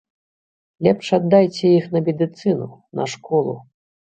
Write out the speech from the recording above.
Лепш аддайце іх на медыцыну, на школу.